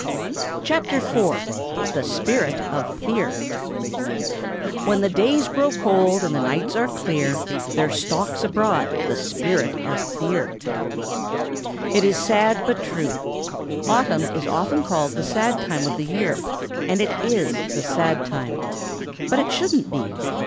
CHAPTER IV THE SPIRIT OF FEAR When the days grow cold and the nights are clear, There stalks abroad the spirit of fear. Lightfoot the Deer. It is sad but true. Autumn is often called the sad time of the year, and it is the sad time. But it shouldn't be.